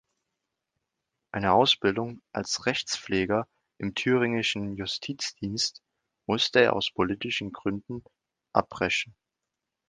Eine Ausbildung als Rechtspfleger im thüringischen Justizdienst musste er aus politischen Gründen abbrechen.